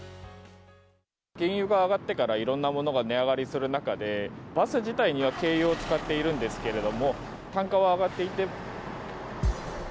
原油が上がってから、いろんなものが値上がりする中で、バス自体には軽油を使っているんですけれども、単価は上がっていて。